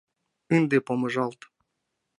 Ынде помыжалт.